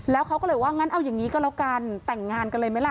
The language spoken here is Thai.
แล้วเขาก็เลยว่างั้นเอาอย่างนี้ก็แล้วกันแต่งงานกันเลยไหมล่ะ